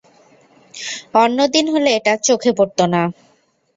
অন্যদিন হলে এটা চোখে পড়ত না।